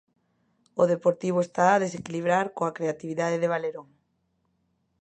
O Deportivo está a desequilibrar coa creatividade de Valerón.